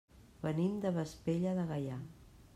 Venim de Vespella de Gaià.